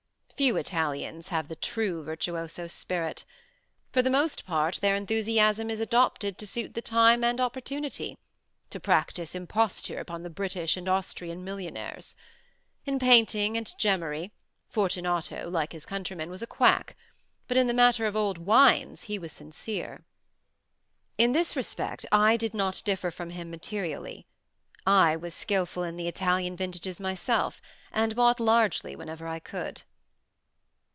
Few Italians have the true virtuoso spirit. For the most part their enthusiasm is adopted to suit the time and opportunity—to practise imposture upon the British and Austrian millionaires. In painting and gemmary, Fortunato, like his countrymen, was a quack—but in the matter of old wines he was sincere. In this respect I did not differ from him materially: I was skilful in the Italian vintages myself, and bought largely whenever I could.